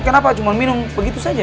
kenapa cuma minum begitu saja